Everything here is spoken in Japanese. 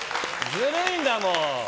ずるいんだもん。